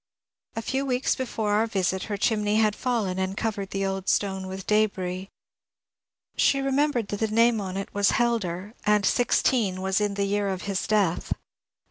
A few wedcs before oar visit her chinmey had fallen and covered the old stone with d^ris. She remembered that the name on it was ^ Hel der/' and 16 was in the year of his death.